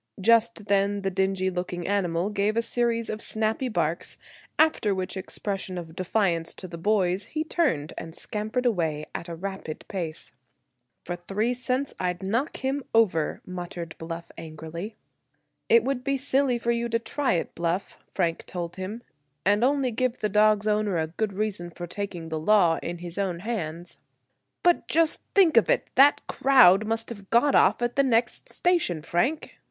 Just then the dingy looking animal gave a series of snappy barks; after which expression of defiance to the boys he turned and scampered away at a rapid pace. "For three cents I'd knock him over," muttered Bluff angrily. "It would be silly for you to try it, Bluff," Frank told him, "and only give the dog's owner a good reason for taking the law in his own hands." "But, just think of it, that crowd must have got off at the next station, Frank!"